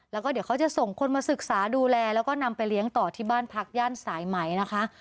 แล้วก็เดี๋ยวเขาจะส่งคนมาศึกษาดูแลแล้วก็นำไปเลี้ยงต่อที่บ้านพักย่านสายไหมนะคะ